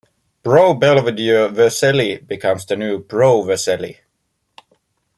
Pro Belvedere Vercelli becomes the new "Pro Vercelli".